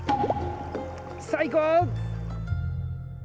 最高！